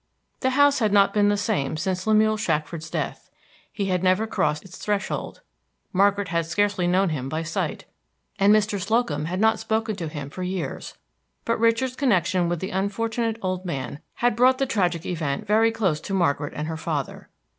The house had not been the same since Lemuel Shackford's death; he had never crossed its threshold; Margaret had scarcely known him by sight, and Mr. Slocum had not spoken to him for years; but Richard's connection with the unfortunate old man had brought the tragic event very close to Margaret and her father.